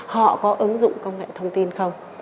họ có ứng dụng công nghệ thông tin không